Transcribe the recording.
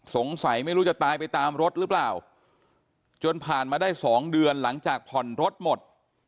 สงสัยไม่รู้จะตายไปตามรถหรือเปล่าจนผ่านมาได้๒เดือนหลังจากผ่อนรถหมด